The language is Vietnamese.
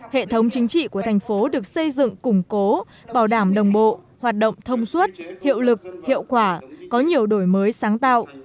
hệ thống chính trị của thành phố được xây dựng củng cố bảo đảm đồng bộ hoạt động thông suốt hiệu lực hiệu quả có nhiều đổi mới sáng tạo